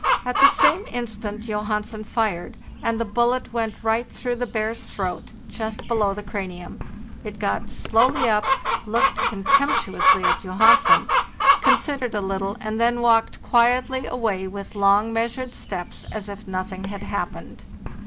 At the same instant Johansen fired, and the bullet went right through the bear's throat, just below the cranium. — It got slowly up, looked contemptuously at Johansen, considered a little, and then walked quietly away with long, measured steps, as if nothing had happened.